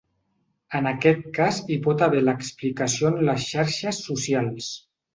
En aquest cas hi pot haver l’explicació en les xarxes socials.